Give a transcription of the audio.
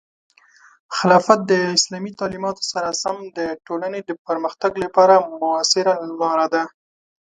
خلافت د اسلامي تعلیماتو سره سم د ټولنې د پرمختګ لپاره مؤثره لاره ده.